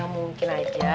ya mungkin aja